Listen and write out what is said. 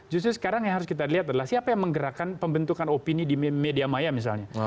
justru sekarang yang harus kita lihat adalah siapa yang menggerakkan pembentukan opini di media maya misalnya